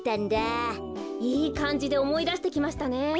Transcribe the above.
いいかんじでおもいだしてきましたね。